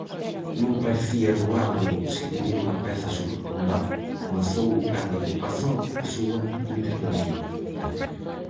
"Non parecía doado escribir unha peza sobre Pondal", comezou Cándido Pazó a súa intervención.